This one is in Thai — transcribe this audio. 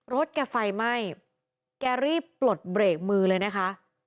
รถแกไฟไหม้แกรีบปลดเบรกมือเลยนะคะ